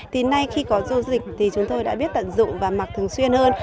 thì nay khi có du dịch thì chúng tôi đã biết tận dụng và mặc thường xuyên hơn